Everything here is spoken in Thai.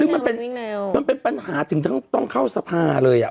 ซึ่งมันเป็นปัญหาถึงต้องเข้าสภาเลยอ่ะ